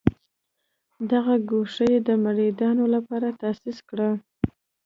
دغه ګوښه یې د مریدانو لپاره تاسیس کړه.